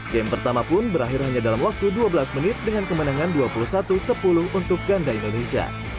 game pertama pun berakhir hanya dalam waktu dua belas menit dengan kemenangan dua puluh satu sepuluh untuk ganda indonesia